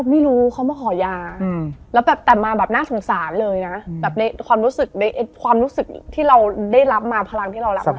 พูดเล่นแต่หนูไม่แช่ง